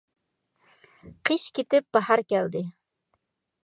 قىش كېتىپ باھار كەلدى.